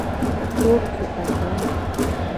Wo ke abo me.